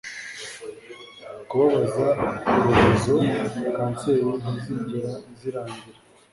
kubabaza urubozo, kanseri ntizigera zirangira